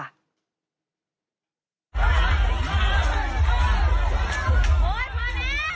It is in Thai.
โอ๊ยพอเนี้ยฮะ